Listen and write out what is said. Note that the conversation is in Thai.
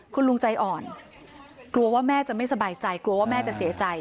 กลัวว่าแม่จะไม่สบายใจกลัวว่าแม่จะเสียใจ